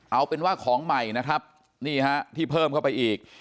เอาเป็นว่าของใหม่นะครับนี่ฮะที่เพิ่มเข้าไปอีก